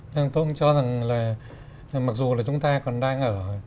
nhưng tôi cũng cho rằng là mặc dù là chúng ta còn đang ở